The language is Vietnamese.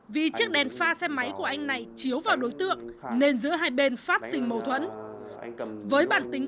vì chiếc đèn pha xe máy của anh này chiếu vào đối tượng nên giữa hai bên phát sinh mâu thuẫn